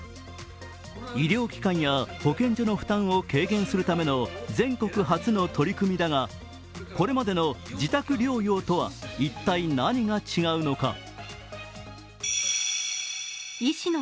医療機関や保健所の負担を軽減するための全国初の取り組みだがこれまでの自宅療養とは一体何が違うのか？